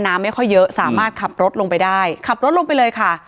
ไม่ค่อยเยอะสามารถขับรถลงไปได้ขับรถลงไปเลยค่ะ